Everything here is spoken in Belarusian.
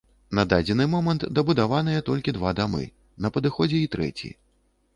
На дадзены момант дабудаваныя толькі два дамы, на падыходзе і трэці.